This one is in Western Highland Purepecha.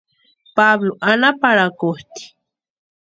Pablu anhaparhakutʼi.